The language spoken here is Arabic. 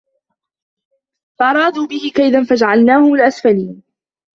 فَأَرادوا بِهِ كَيدًا فَجَعَلناهُمُ الأَسفَلينَ